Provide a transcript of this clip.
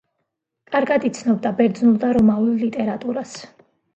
კარგად იცნობდა ბერძნულ და რომაულ ლიტერატურას.